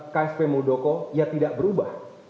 ksp muldoko ya tidak berubah